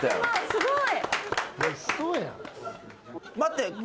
すごい。